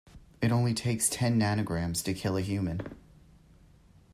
It only takes ten nanograms to kill a human.